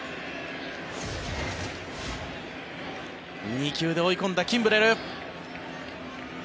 ２球で追い込んだキンブレル。